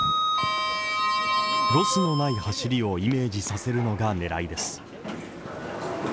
ロスのない走りをイメージさせるのが狙いです。